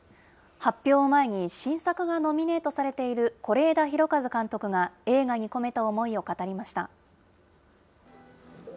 発表を前に新作がノミネートされている是枝裕和監督が映画に込めた思いを語りました。